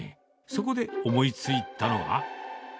そこで思いついたのが。